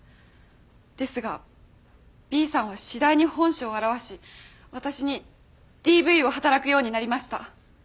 ですがＢさんは次第に本性を現し私にＤＶを働くようになりました。